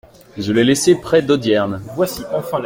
Je l'ai laissée près d'Audierne.